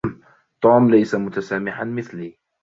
توم ليس متسامحا مثلي.